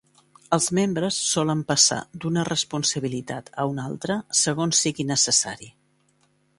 Els membres solen passar d'una responsabilitat a una altra, segons sigui necessari.